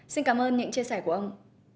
xin cảm ơn những chia sẻ của ông